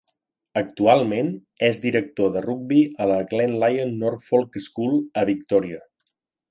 Actualment, és director de rugbi a la Glenlyon Norfolk School a Victòria.